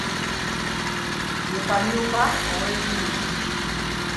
Ye Kamyuka ow'e Mpindi.